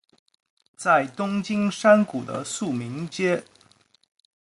在东京山谷的宿民街。